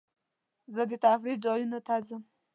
زه د تفریح ځایونو ته ځم.